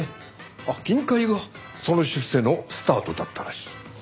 あっ金塊がその出世のスタートだったらしい。